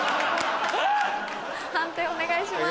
判定お願いします。